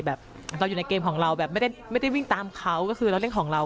เราอยู่ในเกมของเราแบบไม่ได้วิ่งตามเขาก็คือเราเล่นของเรา